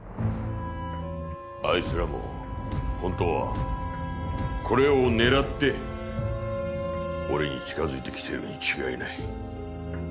あいつらも本当はこれを狙って俺に近づいてきているに違いない。